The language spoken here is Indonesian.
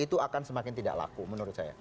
itu akan semakin tidak laku menurut saya